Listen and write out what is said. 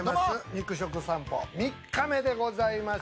肉食さんぽ３日目でございます。